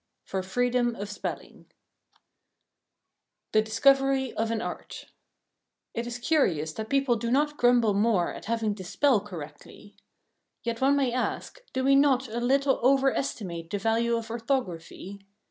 FOR FREEDOM OF SPELLING THE DISCOVERY OF AN ART It is curious that people do not grumble more at having to spell correctly. Yet one may ask, Do we not a little over estimate the value of orthography?